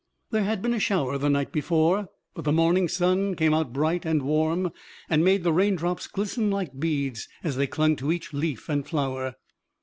There had been a shower the night before, but the morning sun came out bright and warm and made the raindrops glisten like beads as they clung to each leaf and flower.